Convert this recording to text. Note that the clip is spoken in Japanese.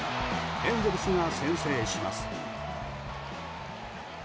エンゼルスが先制します。